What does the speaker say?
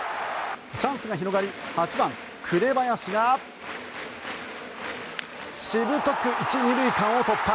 チャンスが広がり８番、紅林がしぶとく１・２塁間を突破。